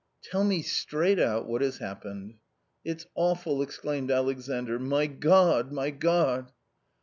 11 Tell me straight out what has happened." " It's awful !" exclaimed Alexandr, " My God ! my God